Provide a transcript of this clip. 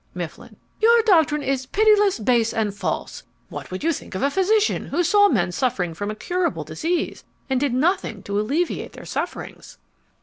MIFFLIN Your doctrine is pitiless, base, and false! What would you think of a physician who saw men suffering from a curable disease and did nothing to alleviate their sufferings?